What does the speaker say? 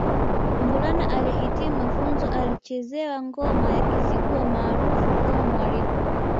Mvulana aliyehitimu mafunzo alichezewa ngoma ya Kizigua maarufu kama Mwaliko